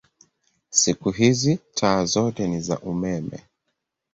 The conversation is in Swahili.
Siku hizi taa zote ni za umeme.